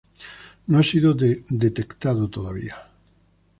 No ha sido detectado todavía.